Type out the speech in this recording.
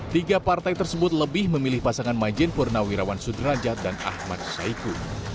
tiga partai tersebut lebih memilih pasangan majen purnawirawan sudrajat dan ahmad saiku